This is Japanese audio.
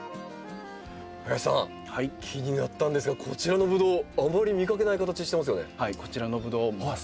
林さん気になったんですがこちらのブドウあまり見かけない形してますよね。